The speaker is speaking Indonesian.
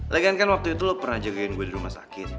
lagi kan waktu itu lo pernah jagain gue di rumah sakit